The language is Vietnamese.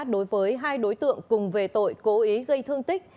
đối với hai đối tượng cùng về tội cố ý gây thương tích